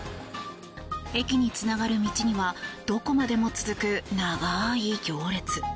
駅につながる道にはどこまでも続く長い行列。